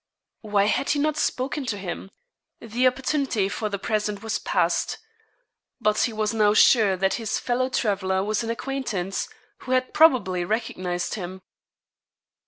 Why had he not spoken to him? The opportunity, for the present, was past. But he was now sure that his fellow traveller was an acquaintance, who had probably recognised him.